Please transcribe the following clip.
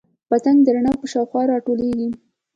پتنګ د رڼا په شاوخوا راټولیږي